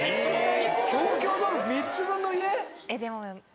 東京ドーム３つ分の家？